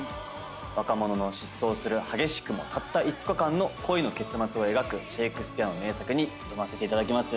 若者の疾走する激しくもたった５日間の恋の結末を描くシェイクスピアの名作に挑ませていただきます。